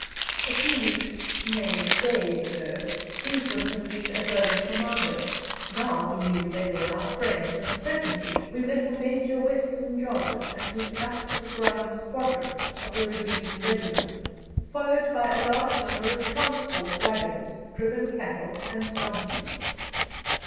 A few weeks nay, days ago these would have been a burgher commando; now we knew they were our friends, and presently we met Major Weston Jarvis and his dust begrimed squadron of the Rhodesian Regiment, followed by a large number of transport waggons, driven cattle, and donkeys.